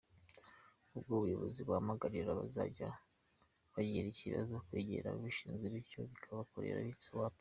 Ubwo buyobozi buhamagarira abazajya bagira ikibazo, kwegera ababishinzwe bityo bakabakorera “Swap”.